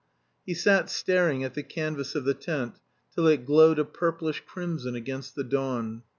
He sat staring at the canvas of the tent till it glowed a purplish crimson against the dawn.